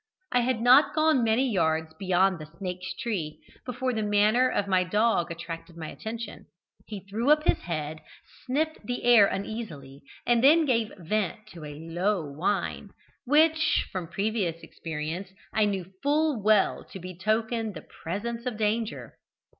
"I had not gone many yards beyond the snake's tree, before the manner of my dog attracted my attention. He threw up his head, sniffed the air uneasily, and then gave vent to a low whine which, from previous experience, I knew full well to betoken the presence of danger.